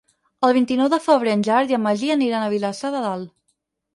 El vint-i-nou de febrer en Gerard i en Magí aniran a Vilassar de Dalt.